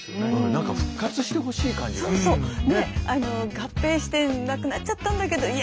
合併してなくなっちゃったんだけどいや